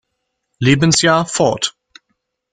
Lebensjahr fort.